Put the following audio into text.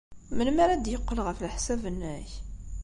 Melmi ara d-yeqqel, ɣef leḥsab-nnek?